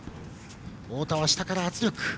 太田は下から圧力。